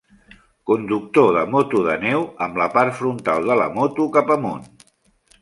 Conductor de moto de neu amb la part frontal de la moto cap amunt.